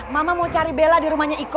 mama mau cari bela di rumahnya iko